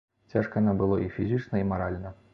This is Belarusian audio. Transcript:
Цяжка нам было і фізічна і маральна.